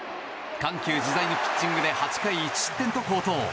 緩急自在のピッチングで８回１失点と好投。